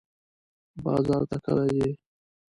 بازار ته کله ځئ؟